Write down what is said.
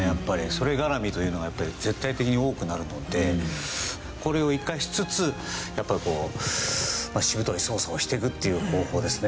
それ絡みというのがやっぱり絶対的に多くなるのでこれを生かしつつやっぱりこうしぶとい捜査をしていくっていう方法ですね。